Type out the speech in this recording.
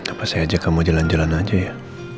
apa saya aja kamu jalan jalan aja ya